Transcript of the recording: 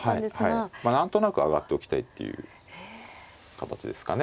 はいはい何となく上がっておきたいっていう形ですかね。